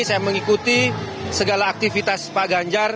saya mengikuti segala aktivitas pak ganjar